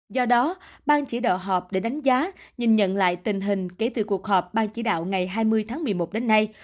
do đó ban chỉ đạo họp để đánh giá nhìn nhận lại tình hình kể từ cuộc họp ban chỉ đạo ngày hai mươi tháng một mươi một đến nay